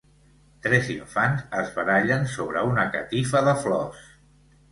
Tres infants es barallen sobre una catifa de flors.